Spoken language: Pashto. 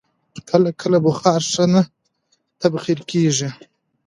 کله کله بخار ښه نه تبخیر کېږي.